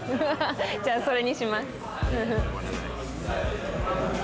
じゃあそれにします。